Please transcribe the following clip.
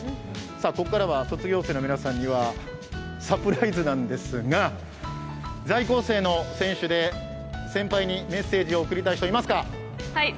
ここからは卒業生の皆さんにはサプライズなんですが、在校生の選手で先輩にメッセージを送りたい人、いますか。